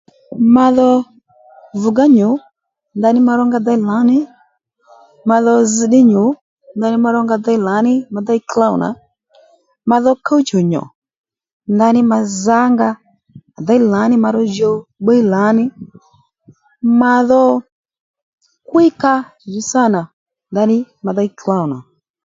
Ma dho vùgá nyù ndaní ma rónga déy lǎní ma dho zz ddí nyǔ ndaní ma rónga déy lǎní ma déy klôw ma dho kúw-chù nyù ndaní ma zǎnga à déy lǎní ma ró jǔw bbíy lǎní ma dho kwíy ka njàddí sâ nà ndaní ma déy klôw nà